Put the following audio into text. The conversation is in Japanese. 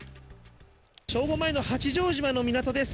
正午、前の八丈島の港です。